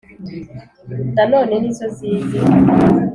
Na none ni zo zizi,